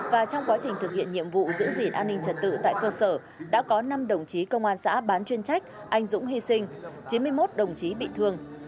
và trong quá trình thực hiện nhiệm vụ giữ gìn an ninh trật tự tại cơ sở đã có năm đồng chí công an xã bán chuyên trách anh dũng hy sinh chín mươi một đồng chí bị thương